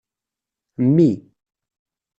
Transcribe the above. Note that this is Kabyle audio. Mmi.